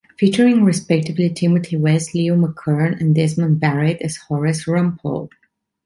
Featuring respectively Timothy West, Leo McKern and Desmond Barrit as Horace Rumpole.